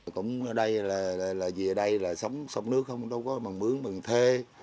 cũng ở đây là vì ở đây là sống sống nước không đâu có mà mướn mà thê